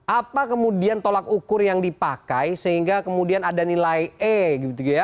apa kemudian tolak ukur yang dipakai sehingga kemudian ada nilai e gitu ya